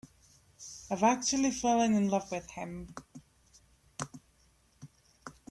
I've actually fallen in love with him.